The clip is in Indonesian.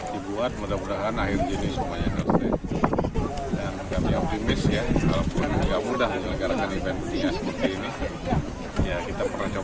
dibuat mudah mudahan akhir ini semuanya nusantara